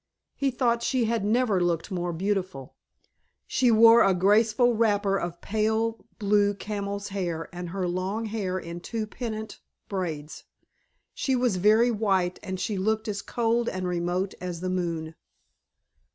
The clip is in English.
He thought she had never looked more beautiful. She wore a graceful wrapper of pale blue camel's hair and her long hair in two pendent braids. She was very white and she looked as cold and remote as the moon.